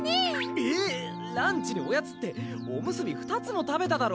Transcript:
えぇ⁉ランチにおやつっておむすび２つも食べただろ！